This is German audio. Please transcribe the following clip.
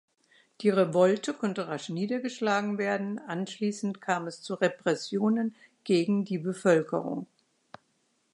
Die Revolte konnte rasch niedergeschlagen werden, anschließend kam es zu Repressionen gegen die Bevölkerung.